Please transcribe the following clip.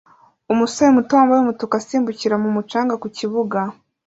Umusore muto wambaye umutuku asimbukira mu mucanga ku kibuga